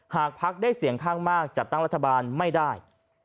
พักได้เสียงข้างมากจัดตั้งรัฐบาลไม่ได้